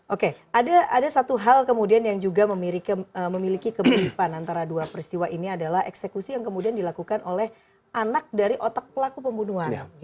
oke ada satu hal kemudian yang juga memiliki keberipan antara dua peristiwa ini adalah eksekusi yang kemudian dilakukan oleh anak dari otak pelaku pembunuhan